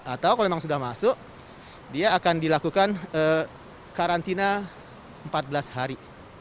atau kalau memang sudah masuk dia akan dilakukan karantina empat belas hari